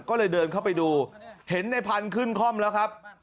ก็เลยเดินเข้าไปดูเห็นในพันธุ์ขึ้นคล่อมแล้วครับ